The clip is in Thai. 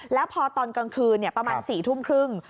แล้วพอตอนกลางคืนประมาณ๔ทุ่มครึ่ง